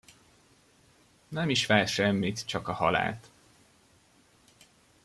Nem is vár semmit, csak a halált.